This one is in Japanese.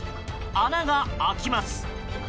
穴が開きます。